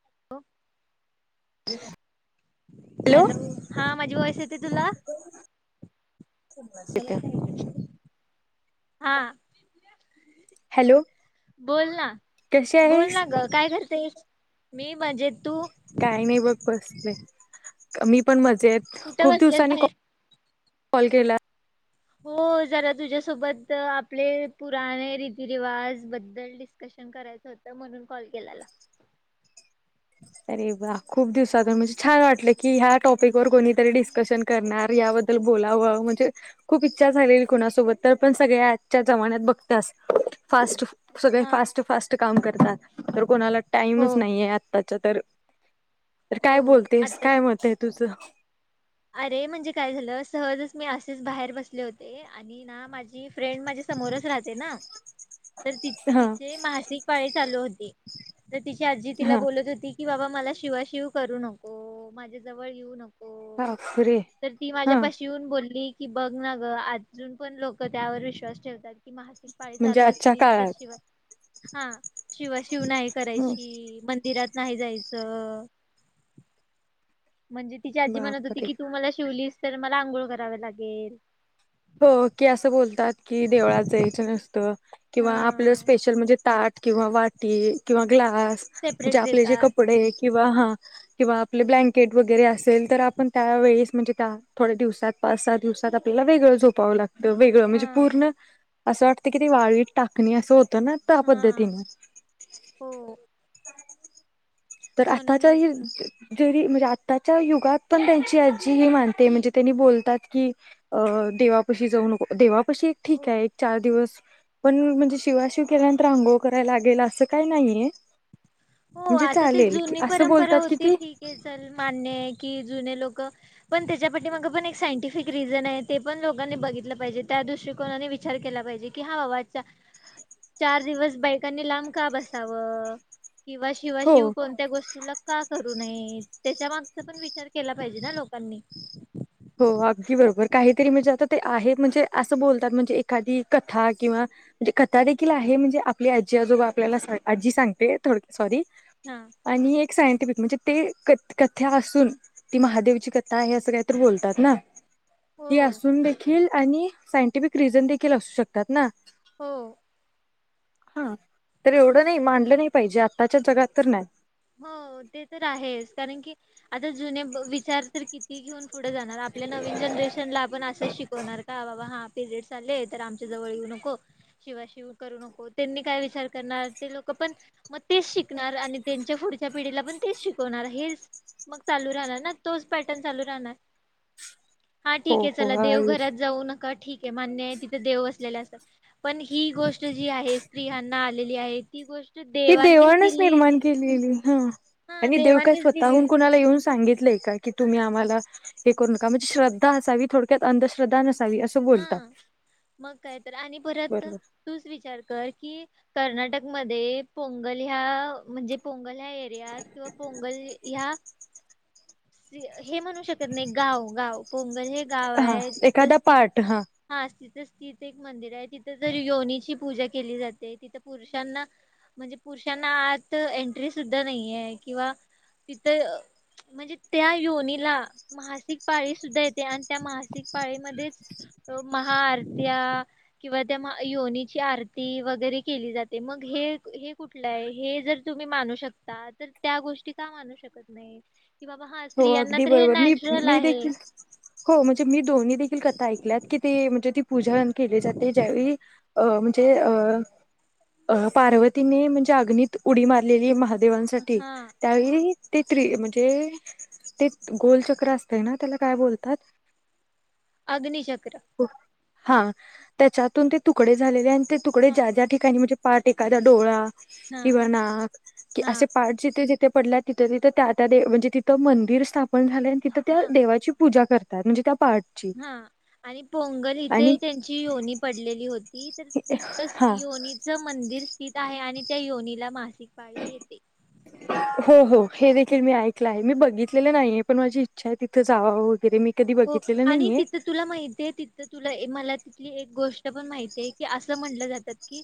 [inaudible] [inaudible] Hello, हा माझी voice येते तुला? [unintelligible] हा हॅलो बोल ना, कशी बोल आहेस ना ग. काय करतेस? मी मजेत तू. काही नाही बघ बसले, मी पण मजेत. कुठे खूप बसलेस दिवसांनी बाहेर कॉल केला हो जरा तुझ्यासोबत आपले पुराणे रीतीरिवाज बद्दल डिस्कश शन करायचं होतं म्हणून कॉल केलेला. अरे वा खूप दिवसातून म्हणजे छान वाटलं की, ह्या टॉपिक वर कोणीतरी डिस्कशन करणार याबद याबद्दल बोलावं म्हणजे खूप इच्छा झालेली कुणासोबत तर, पण सगळे आजच्या जमान्यात बघतास फास्ट सगळे हा फास्टं फास्टं काम करतात, तर कोणाला टाइमच हो नाहीयत. अच्छा तर, तर काय बोलतेस? आताच काय मत आहे तुझं? अरे म्हणजे काय झालं, सहजच मी असेच बाहेर बसले होते तीना माझी फ्रेंड माझ्या समोरच राहते ना. तर तं हा तिचे मासिक पाळी चालू होती, तर तिची आजी तिला हा बोलत होती कि बाबा मला शिवाशिव करू नको, माझ्या जवळ येऊ नको. बापरे तर ती हा माझ्यापाशी येऊन बोलली की, बघ ना गं, अजून पण लोकं त्यावर विश्वास ठेवतात. की मासिक पाळी म्हणजे चालू आजच्या असली, तर काळात शिवायचं, हा. शिवा शिव नाही करायची, मंदिरात नाही जायचं म्हणजे तिची आजी म्हणत होती बापरे की, तू मला शिवलीस तर, मला आंघोळ करावी लागेल. हो, की असं बोलतात की देवळात जायचं नसतं, किंवा आपलं हा स्पे -शल म्हणजे ताट किंवा वाटी किंवा ग्लास सेपरेट म्हणजे आपले जे देतात कपडे किंवा हा, किंवा आपले ब्लँकेट वगैरे असेल तर आपण त्यावेेळेस म्हणजे त्या थोड्या दिवसात, पाच सहा दिवसात आपल्याला वेगळं झोपावं लागतं, वेगळं हा म्हणजे पूर्ण असं वाटतं की, ती वाळीत टाकणी, असं होतं ना त्या हा पद्धतीने हो. तर आताच्या म्हणूनच ही जरी, म्हणजे आत्ताच्या युगात पण त्यांची आजी ही मानते, म्हणजे त्यांनी बोलतात की अं देवापशी जाऊ नको. देवापशी एक हो ठीक ए, एक चार दिवस पण म्हणजे, शिवा शिव केल्यानंतर अघोळ करायला लागेल, असं काय नाईये. हो, आता ती जुनी असं परंपरा बोलतात कि होती. ती ठीक ए चल, मान्य ए की जुने लोकं पण त्याच्या पाठीमागे मग पण एक सायंटिफिक रिझन हे, ते पण लोकांनी बघितलं पाहिजे, त्या दृष्टिकोनाने विचार केला पाहिजे. कि हा बाबा, चा चार दिवस बायकांनी लांब का बसावं? किंवा शिवा हो शिव कोण त्या गोष्टीला का करू नये, त्याच्या मागचा पण विचार केला पाहिजे ना लोकांनी हो अगदी बरोबर. काहीतरी म्हणजे आता ते आहे, म्हणजे असं बोलतात म्हणजे एखादी कथा किंवा कथा देखील आहे म्हणजे आपली आजी आजोबा आपल्याला सांग, आजी सांगते थोडक्या सॉरी. हा. आणि एक सायंटिफिक म्हणजे, ते क कथा असून, ती महादेवची कथा आहे, असं काहीतरी बोलतात ना, हो ती असून देखील आणि सायंटिफिक रिझन देखील असू शकतात ना? हो. हा, तर एवढं नाई, मानलं नई पाहिजे, आत्ताच्या जगात तर नाय. हो, ते तर आहेच. कारण की, आता जुने विचार तर किती ती घेऊन पुढं जाणार, आपल्या नवीन जनरेशनला आपण असंच शिकवणार का? बाबा हा- पिरियड्स आले, तर आमच्या जवळ येऊ नको शिवाशिव करू नको. त्यांनी काय विचार करणार, ते लोकं पण मग तेच शिकणार आणि त्यांच्या पुढच्या पिढीला पण, तेच शिकवणार हेच मग चालू राहणार ना, तोच पॅटर्न चालू राहणार. हा, ठीक हो ए, हो चला देवघरात जाऊ नका. ठीक ए, मान्य ए तिथं देव वसलेले असतात. पण ही गोष्ट जी आहे, स्त्रियांना आलेली आहे, ती गोष्ट देवांनीच दिलीए ती मे बी हं, आणि देव काय स्वतःहून दिलेली कोणाला येऊन सांग सांगितलं का, की तुम्ही आम्हाला हे करु नका. म्हणजे श्रद्धा असावी, थोडक्यात अंधश्रद्धा नसावी. असं बोलतात हा, मग काय, तर आणि परत बरोबर तूच विचार कर की, कर्नाटकमध्ये पोंगल ह्या म्हणजे पोंगल ह्या एरियात किंवा पोंगल ह्या हे म्हणू शकत नाई, गाव गाव पोंगल हे गाव हा ए, एखादा तिथं की पाठ हा तिथंच, तिथ एक मंदिर ए, तिथं जरी योनीची पूजा केली जाते तिथं पुरुषांना म्हणजे पुरुषांना आत एंट्री सुद्धा नाहिये किंवा- तिथं, म्हणजे त्या योनीला, मासिक पाळी सुद्धा येते, आणि त्या मासिक पाळीमध्ये त महाआरर्त्या किंवा त्या योनीची आरती वगैरे केली जाते मग हे हे कुठ कुठलंय हे जर तुम्ही मानू शकता तर त्या गोष्टी का मानू शकत नाही. कि बाबा हाय हो अगदी बरोबर मी मी देखील हो म्हणजे मी दोन्ही देखील कथा ऐकल्यात की ते म्हणजे ती पूजारनं केली जाते ज्यावेळी अ म्हणजे अ अ पार्वतीने म्हणजे अग्नीत उडी मारलेली महा देवांसाठी हा त्यावेळी ते त्री म्हणजे ते गोलचक्र असतय ना त्याला काय बोलतात. अग्निचक्र हा त्याच्यातून ते तुकडे झालेले आणि ते तुकडे हा ज्या ज्या ठिकाणी म्हणजे पाठ एखादा डोळा हा किंवा नाक कि हा असे पार्ट जिथे जिथे पडल्यात तिथं तिथं त्या त्या दे म्हणजे तिथं मंदिर स्थापन झालंय आणि तिथं त्या हा देवाची पूजा कर तात म्हणजे त्या पार्टची हा आणि पोंगल इथे त्यांची योनी पडलेली होती तर तिथंच हा योनी च मंदिर स्थित आहे आणि त्या योनीला मासिक पाळी येते. हो हो हे देखील मी ऐकलं आहे मी बघितलेलं नाहीये पण माझी इच्छा आहे तिथे जावं वगैरे मी कधी हो बघितलेलं आणि नाहीये. तिथं तुला माहिती हे ती तर तुला एक मला तिथली एक गोष्ट पण माहिती आहे की असं म्हटलं जातात की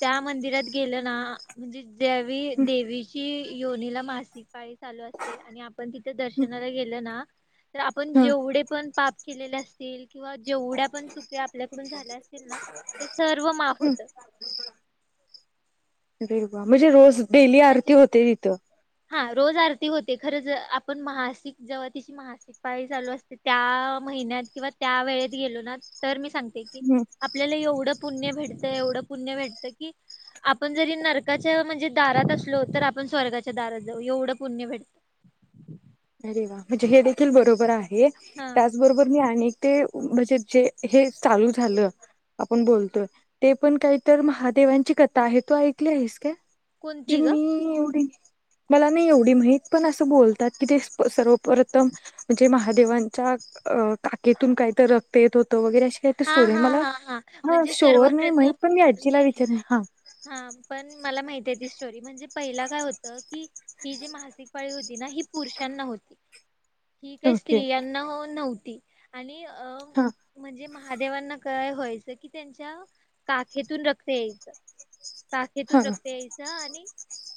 त्या मंदिरात गेलं ना म्हणजे ज्यावेळी हम्म देवीची योनीला मासिक पाळी चालू असते आणि आपण तिथ हम्म दर्शनाला गेल ना तर आपण हा जेवढे पण पाप केलेले असतील किंवा जेवढ्या पण चुक्या आपल्याकडून झाल्या असतील ना ते सर्व माफ हम्म होतं. देवा म्हणजे रोज डेली आरती म्हणजे होते तिथं हा रोज आरती होते खरंच आपण मासिक जेव्हा तिची मासि पाळी चालू असते त्या महिन्यात किवा त्या वेळेत गेलो ना तर मी सांगते की हम्म आप आपल्याला एवढं पुण्य भेटत एवढं पुण्य भेटतं की आपण जरी नरकाच्या म्हणजे दारात असलो तर आपण स्वर्गाच्या दारात जाऊ एवढं पुण्य भेट अरे वा म्हणजे हे देखील बरोबर आहे. हा बरोबर मी आणि ते म्हणजे जे हे चालू झालं आपण बोलतोय ते पण काहीतर महादेवांची कथा आहे तू ऐकली आहेस का? म्हणजे कोणती ग मी एवढी मला नाही एवढी माहित पण असं बोलतात. तीथेचं सर्व प्रथम म्हणजे महादेवांच्या अं काखेतून काहीतर रक्त येत होतं वगरे अशी तेतर हा स्टोरी हे हा मला हा हा म्हणजे शोअर नाही सर्वप्रथम माहीत पण मी आजीला मी विचारे हा हा पण मला माहिती आहे ती स्टोरी म्हणजे पहिला काय होतं की ही जी मासिक पाळी होती ना ही पुरुषांना होती ही काही ओके स्त्रियां नाहो न्होती आणि अं... हा म्हणजे महादेवांना काय व्हायचं की त्यांच्या काखेतून रक्त येई. हा काखेतून रक्त यायचं आणि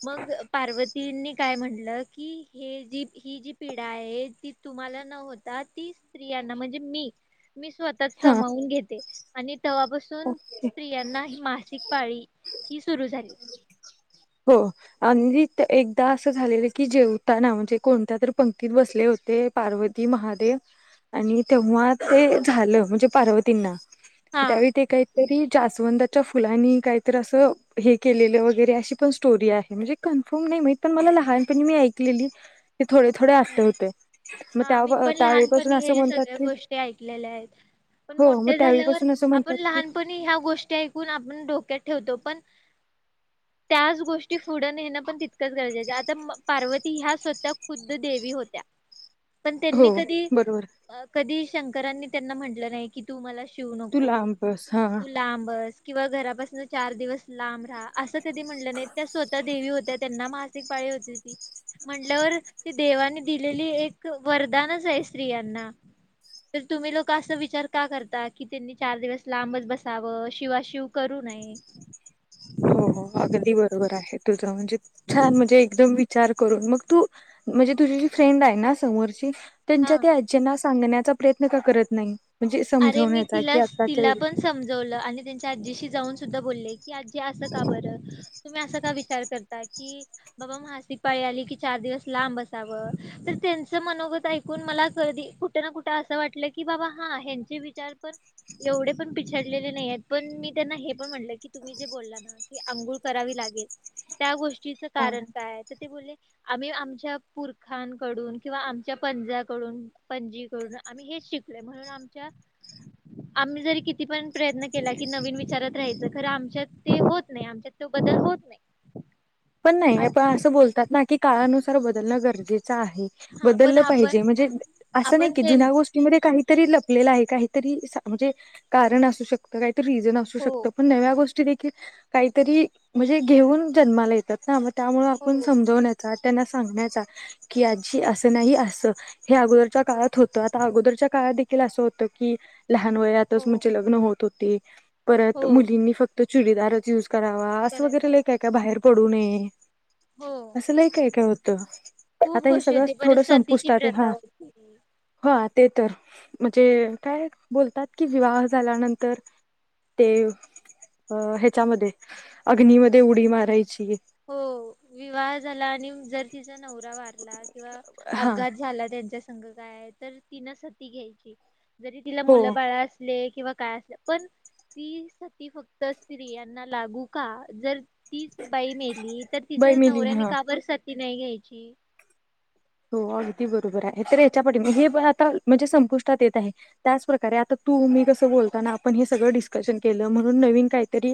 मग पार्वतींनी काय म्हटलं की हे जी ही जी पिढा आहे ती तुम्हाला न होता ती स्त्रियांना म्हणजे मी मी स्वत तर हा समावून घेते आणि तेव्हापासून ओके स्त्रियांना ही मासिक पाळी ही सुरू झाली. हो आणि एकदा असं झालेलं की, जेवताना म्हणजे कोणत्यातरी पंक्तीत बसले होते. पार्वती, महादेव आणि तेव्हा ते झालं म्हणजे पार्वतींना हा त्यावेळी ते काहीतरी जास्वंदाच्या फुलांनी काहीतरी असं, हे केलेलं वगैरे अशी पण स्टोरी आहे, म्हणजे कन्फर्म नाही माहीत, पण मला लहानपणी मी ऐकलेली. ते थोडे-थोडे हा आठवतंय, मग हा मी पण त्याव-त्यावेळीपासून लहानपणी असं हे म्हणतात सगळ्या की गोष्टी ऐकलेल्या आहेत हो, मग मोठे झाल्यावर त्यावेळीपासून असं आपण म्हणतात की पण लहानपणी ह्या गोष्टी ऐकून आपण डोक्यात ठेवतो, पण त्याच गोष्टी पुढं नेणं पण तितकंच गरजेचं आहे. आता पार्वती ह्या स्वतः खुद देवी होत्या, पण त्यांनी हो कधी बरोबर अं, कधी शंकरांनी त्यांना म्हटलं नाही की, तू मला शिवू तू नकोस, लांब बस हा तुला लांब बस किंवा घरापासून चार दिवस लांब रहा असं कधी म्हणल्या नाहीत, त्या स्वतः देवी होत्या त्यांना मासिक पाळी होत होती, म्हणल्यावर. ती देवानी दिलेली एक वरदानच आहे. स्त्रियांना तर तुम्ही लोक असा विचार का करता, की त्यांनी चार दिवस लांबच बसावं. शिवाशिव करू नये. हो-हो, अगदी बरोबर आहे तुझं, म्हणजे छान म्हणजे एकदम वि विचार करून मग तू, म्हणजे तुझी जी फ्रेंड आहे ना, समोरची हा त्यांच्या त्या आज्जींना सांगण्याचा प्रयत्न का करत नाही, म्हणजे अरे मी समजवण्याचा तिला की आताच्या तिला युगा पण समजवलं आणि त्यांच्या आजीशी जाऊन सुद्धा बोलले की, आजी, असं का बरं? तुम्ही असं का विचार करता कि बाबा म्हासीक पाळी आली की चार दिवस लांब बसावं, तर त्यांचं मनोगत ऐकून मला कधी कु कुठे ना कुठं असं वाटलं की, बाबा, हा ह्यांचे विचार पण एवढे पण पिछडलेले नाहीयेत. पण मी त्यांना हे पण म्हणलं की, तुम्ही जे बोलला ना की आंघुळ करावी लागेल, त्या गोष्टीच हा. कारण काय तर ते बोलले आम्ही आमच्या पुरखांकडून किंवा आमच्या पंजाकडून, पणजीकडून आम्ही हेच शिकलोय म्हणून आमच्या आम्ही जरी किती पण प्रयत्न केला की नवीन विचारात राहायचं, खरं आमच्यात ते होत नाही आमच्यात तो बद्दल होत नाही. पण नाही आ- आपण असं बोलतात ना, की काळानुसार बदलणं गरजेचं आहे. हा पण बदललं आपण पाहिजे म्हणजे, असं नाही आपण की जुन्या त्यांच गोष्टीमध्ये काही तरी लपलेलं आहे. काहीतरी म्हणजे, कारण असू शकतं, काहीतरी रिझन असू हो शकतं. नव्या गोष्टी देखील काहीतरी, म्हणजे घेऊन जन्माला येत हा, मग त्यामुळे आपण हो समजवण्याचा त्यांना सांगण्याचा, की आजी असं नाही असं. हे अगोदरच्या हो काळात होतं आता अगोदरच्या काळात देखील असं होतं की, लहान वयातच हो म्हणजे ल लग्न होत होती, हो मुलींनी फक्त चुडीदारच युज करावा, असं करायला वगैरे लय काय-काय बाहेर पडू नये, हो असं लय काय-काय होतं. खूप आता हे गोष्टी सगळं होती थोडं परत सतीची संपुष्टात आहे. हा, प्रथा होती हा, ते तर म्हणजे काय बोलतात की, विवाह झाल्यानंतर ते अ ह्याच्यामध्ये, अग्नीमध्ये उडी मारायची. हो, विवाह झाला आणि जर तिचा नवरा वारला किंवा हा अपघात झाला त्यांच्या संग जायाच तर तिने सती घ्यायची, जरी तिला हो मुलं बाळं असली ले किंवा काय असले, पण ती सती फक्त स्त्रियांना लागू का, जर तीच बाई मेली तर, तिच्याच बैमिली नवऱ्यानीं हा का बरं सती नाही घ्यायची. हो अगदी बरोबर आहे. तर याच्या पाठीमागे हे पण आता म्हणजे संपुष्टात येत आहे. त्याचप्रकारे आता तू मी कसं बोलताना आपण हे सगळं डिस्कशन केलं म्हणून नवीन काहीतरी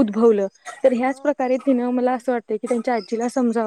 उद्भवलं ह्याच हो प्रकारे तिनं मला असं वाटत की त्यांच्या आजीला समजा